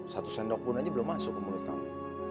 satu sendok pun aja belum masuk ke mulut kamu